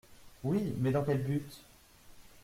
Oui ; mais dans quel but ?